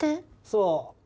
そう。